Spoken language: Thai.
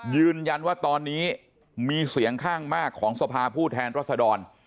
ยืนยันว่าตอนนี้มีเสียงข้างมากของสภาผู้แทนรัศดร